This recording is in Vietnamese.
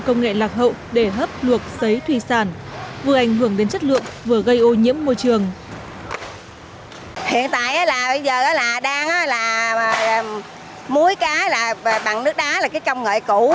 công nghệ lạc hậu để hấp luộc xấy thủy sản vừa ảnh hưởng đến chất lượng vừa gây ô nhiễm môi trường